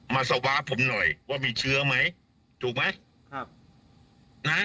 สวาปผมหน่อยว่ามีเชื้อไหมถูกไหมครับนะฮะ